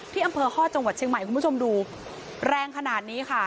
ที่อำเภอฮอตจังหวัดเชียงใหม่คุณผู้ชมดูแรงขนาดนี้ค่ะ